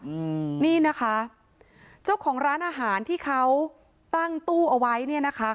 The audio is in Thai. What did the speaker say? อืมนี่นะคะเจ้าของร้านอาหารที่เขาตั้งตู้เอาไว้เนี่ยนะคะ